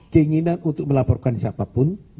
keinginan untuk melaporkan siapapun